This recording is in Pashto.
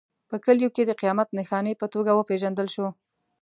په کلیو کې د قیامت نښانې په توګه وپېژندل شو.